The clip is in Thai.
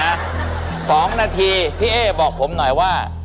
๒นาทีพี่เอ๊บอกผมหน่อยว่า